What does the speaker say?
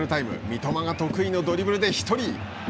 三笘が得意のドリブルで１人。